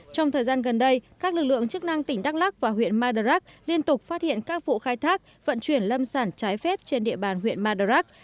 trong thời gian gần đây các lực lượng chức năng tỉnh đắk lắc và huyện madarak liên tục phát hiện các vụ khai thác vận chuyển lâm sản trái phép trên địa bàn huyện madarak